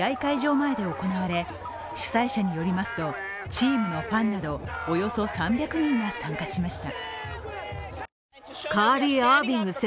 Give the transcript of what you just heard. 前で行われ、主催者によりますとチームのファンなどおよそ３００人が参加しました。